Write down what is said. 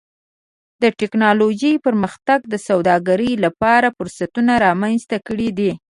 د ټکنالوجۍ پرمختګ د سوداګرۍ لپاره فرصتونه رامنځته کړي دي.